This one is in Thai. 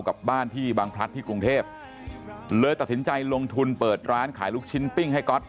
กับบ้านที่บางพลัดที่กรุงเทพเลยตัดสินใจลงทุนเปิดร้านขายลูกชิ้นปิ้งให้ก๊อต